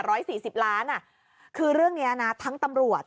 ร้อยสี่สิบล้านอ่ะคือเรื่องเนี้ยนะทั้งตำรวจ